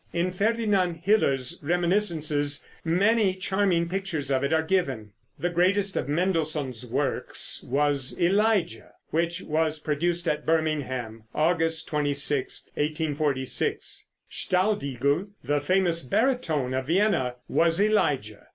In Ferdinand Hiller's reminiscences many charming pictures of it are given. The greatest of Mendelssohn's works was "Elijah," which was produced at Birmingham, August 26, 1846. Staudigl, the famous baritone of Vienna, was Elijah.